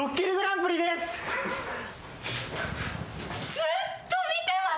ずっと見てます。